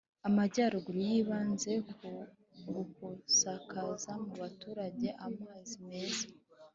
Amajyaruguru yibanze ku gusakaza mu baturage amazi meza